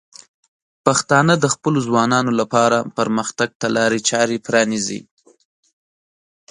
پښتانه د خپلو ځوانانو لپاره پرمختګ ته لارې چارې پرانیزي.